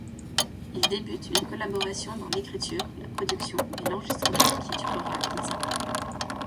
Ils débutent une collaboration dans l'écriture, la production et l'enregistrement qui durera dix ans.